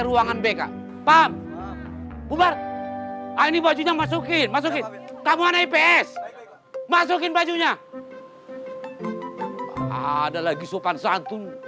ruangan bk paham ini bajunya masukin masukin kamu ada ips masukin bajunya ada lagi sopan santun